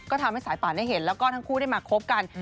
ก็ทำให้สายป่านได้เห็นแล้วก็ทั้งคู่ได้มาคบกัน